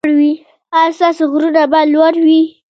ایا ستاسو غرونه به لوړ وي؟